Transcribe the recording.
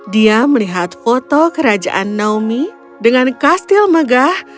dia melihat foto kerajaan naomi dengan kastil megah